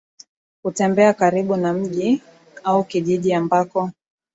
kutembea karibu na mji au kijiji ambako